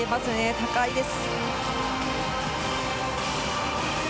高いです。